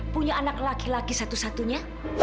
punya anak laki laki satu satunya